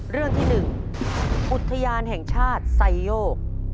เรื่องที่๑อุทยานแห่งชาติไซโยก